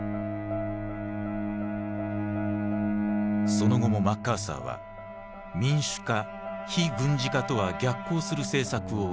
その後もマッカーサーは民主化非軍事化とは逆行する政策を打ち出していく。